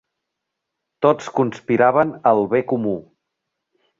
Tots conspiraven al bé comú.